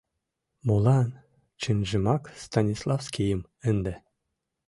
Молан, чынжымак, Станиславскийым ынде